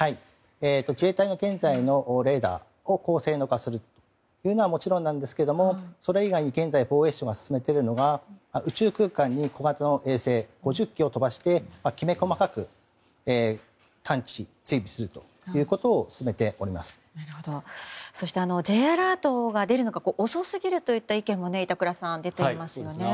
自衛隊の現在のレーダーを高性能化するというのはもちろんなんですが、それ以外に現在、防衛省が進めるのが宇宙空間に小型の衛星５０基を飛ばしてきめ細かく探知、追尾するということをＪアラートが出るのが遅すぎるという意見も板倉さん、出ていますね。